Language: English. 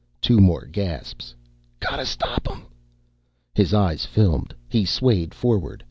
Two more gasps. "Gotta stop 'em." His eyes filmed. He swayed forward.